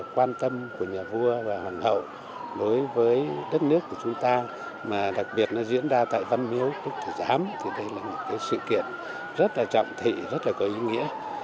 quan tâm của nhà vua và hoàng hậu đối với đất nước của chúng ta mà đặc biệt nó diễn ra tại văn miếu quốc tử giám thì đây là một sự kiện rất là trọng thị rất là có ý nghĩa